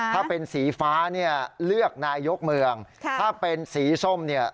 ถ้าเป็นสีฟ้าเนี่ยเลือกนายกเมืองถ้าเป็นสีส้มเนี่ย